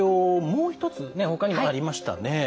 もう一つほかにもありましたね。